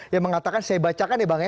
yang mengatakan saya bacakan ya bang ya